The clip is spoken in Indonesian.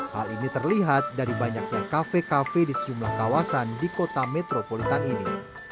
hal ini terlihat dari banyaknya kafe kafe di sejumlah kawasan di kota metropolitan ini